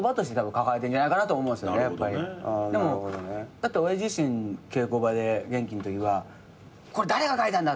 だって親父自身稽古場で元気のときは「これ誰が書いたんだ！」